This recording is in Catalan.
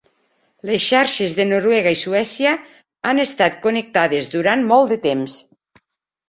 Les xarxes de Noruega i Suècia han estat connectades durant molt de temps.